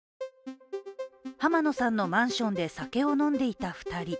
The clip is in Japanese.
濱野さんのマンションで酒を飲んでいた２人。